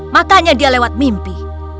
makanya dia lewat mimpi